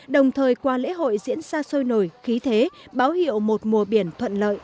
đồng thời qua lễ hội diễn ra sôi nổi khí thế báo hiệu một mùa biển thuận lợi